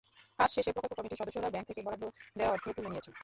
কাজ শেষে প্রকল্প কমিটির সদস্যরা ব্যাংক থেকে বরাদ্দ দেওয়া অর্থ তুলে নিয়েছেন।